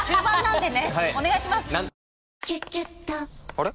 あれ？